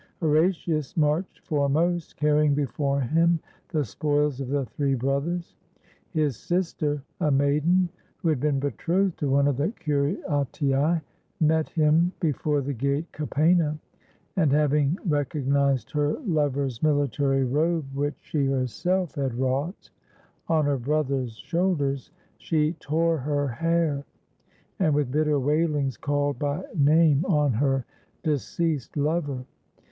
Horatius marched foremost, carrying before him the spoils of the three brothers; his sister, a maiden who had been betrothed to one of the Curia tii, met him before the gate Capena, and having recognized her lover's mihtary robe, which 265 ROME she herself had wrought, on her brother's shoulders, she tore her hair, and with bitter wailings called by name on her deceased lover.